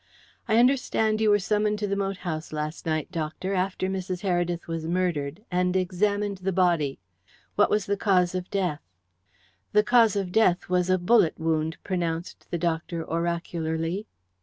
"I understand you were summoned to the moat house last night, doctor, after Mrs. Heredith was murdered, and examined the body. What was the cause of death?" "The cause of death was a bullet wound," pronounced the doctor oracularly.